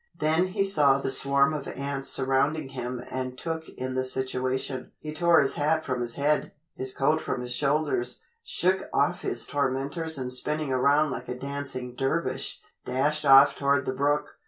Then he saw the swarm of ants surrounding him and took in the situation. He tore his hat from his head, his coat from his shoulders, shook off his tormentors and spinning around like a dancing dervish, dashed off toward the brook.